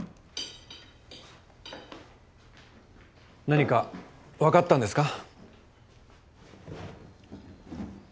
何か分かったんですか？